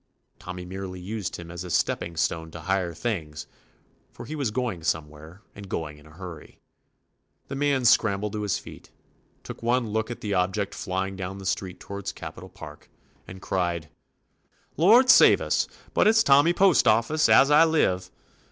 Tommy merely used him as "a. step ping stone to higher things," for he was going somewhere and going in a hurry. The man scrambled to his feet, took one look at the object fly ing down the street toward Capitol Park, and cried: "Lord save us, but it's Tommy Post office, as I live